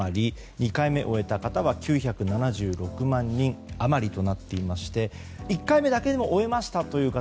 ２回目を終えた方は９７６万人余りとなっていまして１回目だけでも終えましたという方